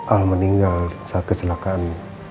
al meninggal saat kecelakaan